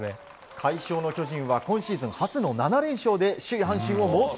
快勝の巨人は今シーズン初の７連勝で首位、阪神を猛追。